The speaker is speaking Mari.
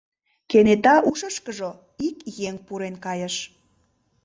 Кенета ушышкыжо ик еҥ пурен кайыш...